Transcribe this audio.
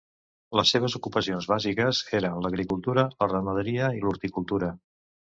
Les seves ocupacions bàsiques eren l'agricultura, la ramaderia i l'horticultura.